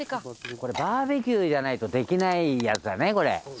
これバーベキューじゃないとできないやつだねこれ。